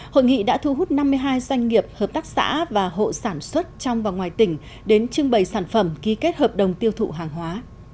hội nghị đã thu hút năm mươi hai doanh nghiệp hợp tác xã và hộ sản xuất trong và ngoài tỉnh đến trưng bày sản phẩm ký kết hợp đồng tiêu thụ hàng hóa